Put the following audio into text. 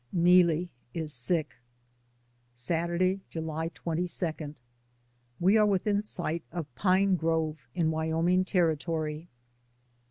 NEELIE IS SICK. Saturday, July 22. We are within sight of Pine Grove in Wyoming Territory.